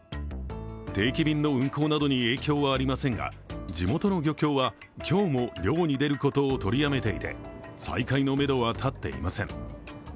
定期便の運航などに影響はありませんが地元の漁協は、今日も漁に出ることを取りやめていて再開のめどは立っていません。